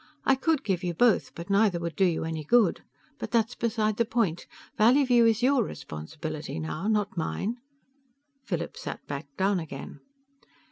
"I could give you both, but neither would do you any good. But that's beside the point. Valleyview is your responsibility now not mine." Philip sat back down again.